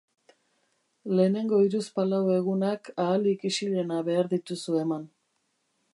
Lehenengo hiruzpalau egunak ahalik isilena behar dituzu eman.